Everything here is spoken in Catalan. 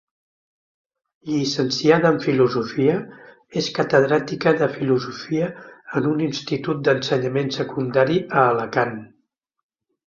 Llicenciada en Filosofia, és catedràtica de Filosofia en un institut d'ensenyament secundari a Alacant.